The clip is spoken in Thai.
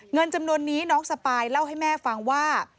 เงินจำนวนนี้น้องสปายเล่าให้แม่ฟังว่า